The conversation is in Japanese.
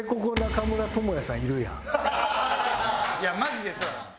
いやマジでそう。